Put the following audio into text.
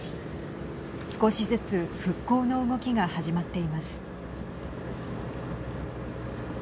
少しずつ復興の動きが始まっています。